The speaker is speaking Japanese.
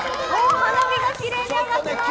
花火がきれいに上がっています！